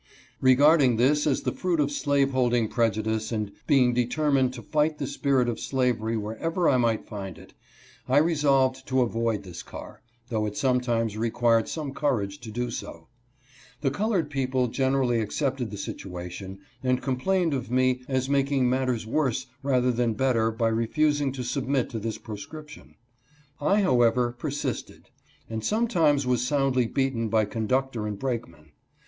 Regarding this as the fruit of slaveholding prejudice and being determined to fight the spirit of slavery wherever I might find it, I resolved 278 EJECTED PROM RAILROAD CAR. to avoid this car, though it sometimes required some courage to do so. The colored people generally accepted the situation and complained of me as making matters worse rather than better by refusing to submit to this proscription. I, however, persisted, and sometimes was soundly beaten by conductor and brakeman.